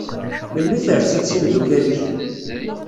Melmi terziḍ s imdukal-ik?